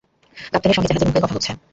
কাপ্তেনের সঙ্গে জাহাজে নৌকায় কথা হচ্ছে।